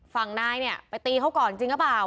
ฝั่งนายเนี่ยไปตีเขาก่อนจริงหรือเปล่า